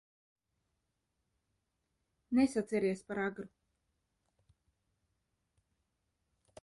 Nesaceries par agru!